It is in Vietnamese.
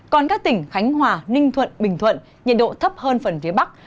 còn các tỉnh khánh hòa ninh thuận bình thuận nhiệt độ thấp hơn phần phía bắc